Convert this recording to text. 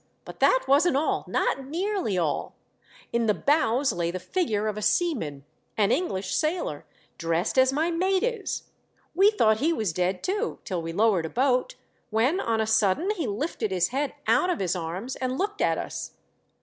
But that wasn't all — not nearly all. In the bows lay the figure of a seaman — an English sailor, dressed as my mate is. We thought he was dead, too, till we lowered a boat, when on a sudden he lifted his head out of his arms and looked at us.